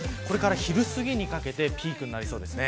昼すぎにかけてピークになりそうです。